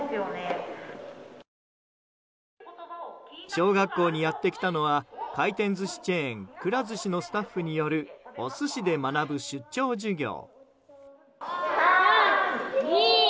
小学校にやってきたのは回転寿司チェーンくら寿司のスタッフによるお寿司で学ぶ出張授業。